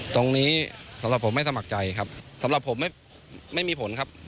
ตรงนี้สำหรับผมไม่สมัครใจครับสำหรับผมไม่มีผลครับ